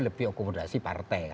lebih akumulasi partai